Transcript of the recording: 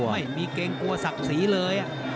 ไม่มีเกงกลัวสักสีเลย